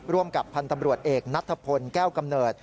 ร่วมกับพันธ์ตำรวจเอกนัทพลแก้วกำเนิด